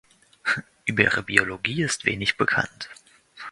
Über ihre Biologie ist wenig bekannt.